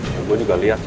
saya juga melihatnya